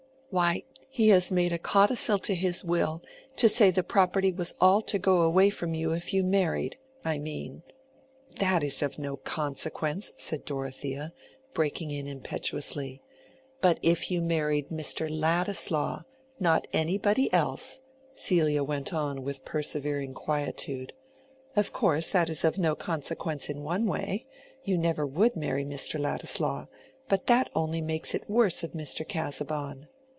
"Why, he has made a codicil to his will, to say the property was all to go away from you if you married—I mean—" "That is of no consequence," said Dorothea, breaking in impetuously. "But if you married Mr. Ladislaw, not anybody else," Celia went on with persevering quietude. "Of course that is of no consequence in one way—you never would marry Mr. Ladislaw; but that only makes it worse of Mr. Casaubon."